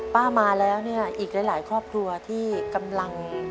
มาแล้วเนี่ยอีกหลายครอบครัวที่กำลัง